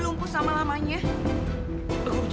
mama kenapa sih